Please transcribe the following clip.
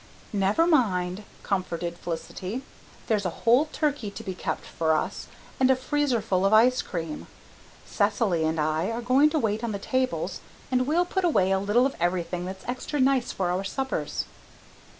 "Never mind," comforted Felicity. "There's a whole turkey to be kept for us, and a freezerful of ice cream. Cecily and I are going to wait on the tables, and we'll put away a little of everything that's extra nice for our suppers."